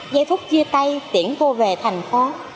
giây phút chia tay tiễn cô về thành phố